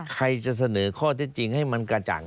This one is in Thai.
ใครจะเสนอข้อเท็จจริงให้มันกระจ่าง